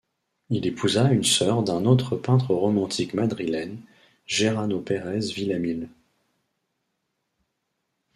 Il épousa une sœur d'un autre peintre romantique madrilène, Jenaro Pérez Villaamil.